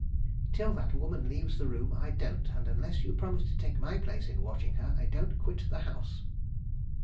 "Till that woman leaves the room, I don't; and unless you promise to take my place in watching her, I don't quit the house."